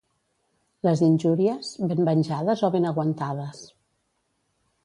Les injúries, ben venjades o ben aguantades.